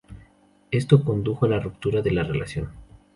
Esto condujo a la ruptura de la relación.